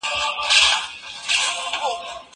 دا خواړه له هغو تازه دي؟!